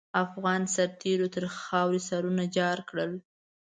افغان سرتېرو تر خاروې سرونه جار کړل.